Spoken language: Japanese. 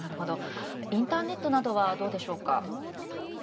インターネットなどはどうでしょうか。